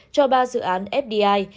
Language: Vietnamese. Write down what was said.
cho ba dự án fdi